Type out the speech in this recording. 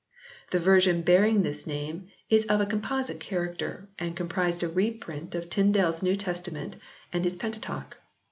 The version bearing this name is of a composite character and comprised a reprint of Tyndale s New Testament and his Penta teuch.